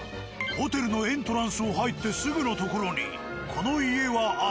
ホテルのエントランスを入ってすぐの所にこの家はあり。